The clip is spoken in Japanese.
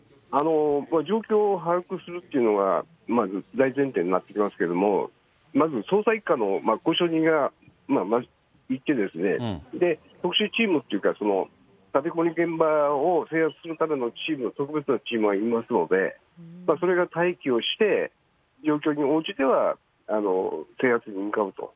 状況を把握するというのがまず大前提になってきますけれども、まず捜査１課の交渉人がいって、特殊チームっていうか、立てこもり現場を制圧するためのチーム、特別なチームがいますので、それが待機をして、状況に応じては制圧に向かうと。